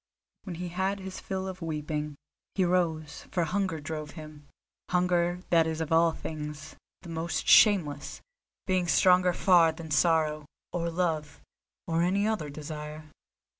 When he had his fill of weeping, he rose, for hunger drove him—hunger that is of all things the most shameless, being stronger far than sorrow, or love, or any other desire.